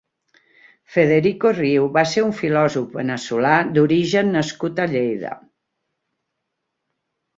Federico Riu va ser un filòsof veneçolà, d'origen nascut a Lleida.